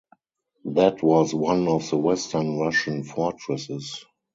That was one of the western Russian fortresses.